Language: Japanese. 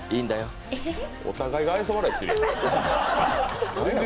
お互いが愛想笑いしてる。